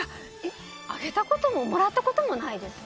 あげたことももらったこともないです。